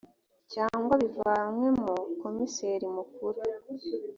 cyangwa bivanywemo komiseri mukuru